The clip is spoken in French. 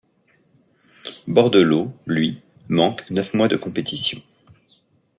Bordeleau, lui, manque neuf mois de compétition.